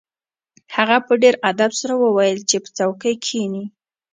هغه په ډیر ادب سره وویل چې په څوکۍ کښیني